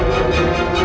masih sama ya